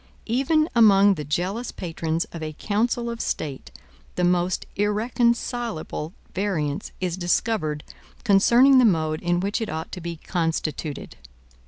Even among the zealous patrons of a council of state the most irreconcilable variance is discovered concerning the mode in which it ought to be constituted.